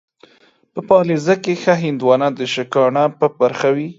په پاليزه کې ښه هندوانه ، د شکاڼه په برخه وي.